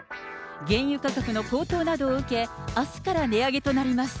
原油価格の高騰などを受け、あすから値上げとなります。